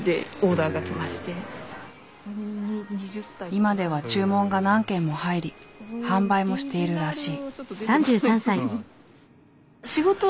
今では注文が何件も入り販売もしているらしい。